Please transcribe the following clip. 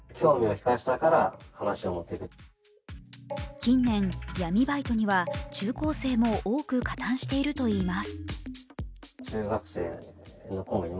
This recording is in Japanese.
近年、闇バイトには中高生も多く加担しているといいます。